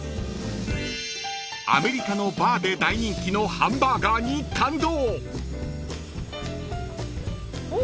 ［アメリカのバーで大人気のハンバーガーに感動！］